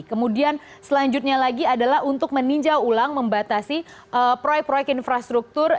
kemudian selanjutnya lagi adalah untuk meninjau ulang membatasi proyek proyek infrastruktur